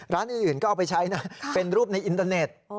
ร้านอื่นก็เอาไปใช้นะเป็นรูปในอินเตอร์เน็ต